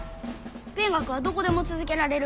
勉学はどこでも続けられる。